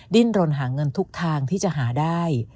ดิ้นรนหาเงินทุกทางที่จะหาได้